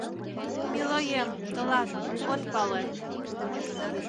Милоем, тылат, от пале